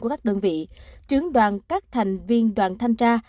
của các đơn vị trướng đoàn các thành viên đoàn thanh tra